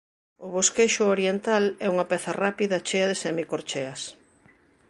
O Bosquexo oriental é unha peza rápida chea de semicorcheas.